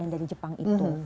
yang dari jepang itu